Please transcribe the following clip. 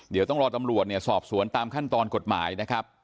เดี๋ยวต้องรอตำรวจเนี่ยสอบสวนตามขั้นตอนกฎหมายนะครับ